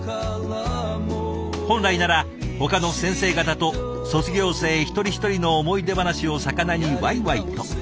本来ならほかの先生方と卒業生一人一人の思い出話をさかなにわいわいと。